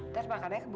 terima kasih mas